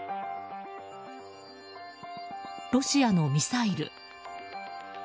ロシアのミサイル。